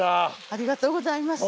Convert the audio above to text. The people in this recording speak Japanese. ありがとうございます。